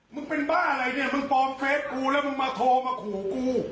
มันเป็นบ้าอะไรเนี่ยมึงปลอมเฟสกูแล้วมึงมาโทรมาขู่กู